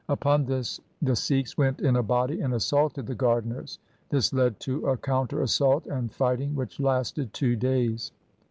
Upon this the Sikhs went in a body and assaulted the gardeners. This led to a counter assault and fighting which lasted two days.